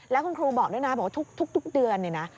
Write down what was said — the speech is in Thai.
แล้วคุณครูบอกด้วยนะทุกเดือนนี่นะ